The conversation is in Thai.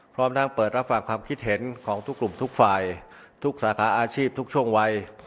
พร้อมทั้งเปิดรับฟังความคิดเห็นของทุกกลุ่มทุกฝ่ายทุกสาขาอาชีพทุกช่วงวัย